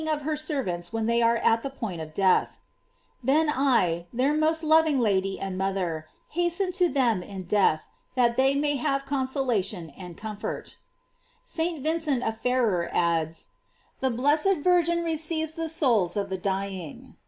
of her servants when they are at the point of death: "Then I, their most loving Lady and mother, hasten to them in death, that they may have consolation and comfort."* St. Vincent of Ferrer adds: The blessed Virgin receives the souls of the dying.